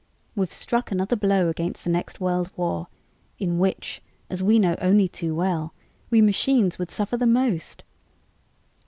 We've struck another blow against the next world war, in which as we know only too well! we machines would suffer the most.